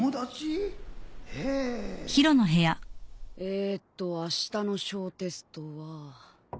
えっとあしたの小テストは。